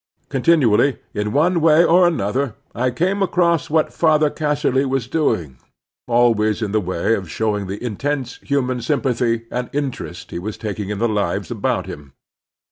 Continually, in one way and another, I came across what Pather Casserly was doing, always in the way of showing the intense human sympathy and interest he was taking in the lives about him.